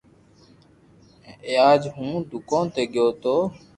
اج ھون دوڪون تو گيو تو